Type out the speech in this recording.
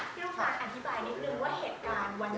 พี่ลูกค้างอธิบายนิดนึงว่าเหตุการณ์วันนั้นที่